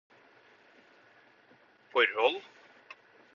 forhold